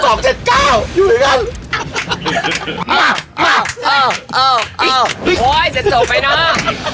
โอ้ยเสร็จโจทย์ไปเนาะ